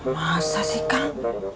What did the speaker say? masa sih kak